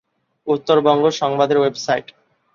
উত্তরবঙ্গ সংবাদের ওয়েবসাইট